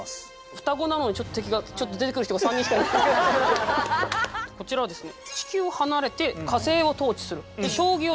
双子なのにちょっと敵がちょっと出てくる人が３人しかいないですけどこちらはですね